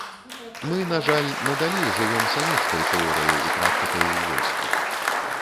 Мы, на жаль, надалей жывём савецкай тэорыяй і практыкай у войску.